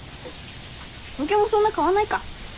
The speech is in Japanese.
東京もそんな変わんないか。